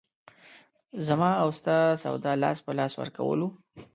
زما او ستا سودا لاس په لاس ورکول وو.